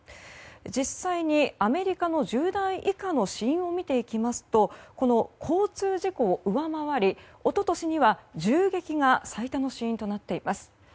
実際にアメリカの１０代以下の死因を見ていきますと交通事故を上回り、一昨年には銃撃が最多の死因となっています。